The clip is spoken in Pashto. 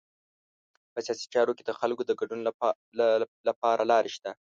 په سیاسي چارو کې د خلکو د ګډون لپاره لارې شته.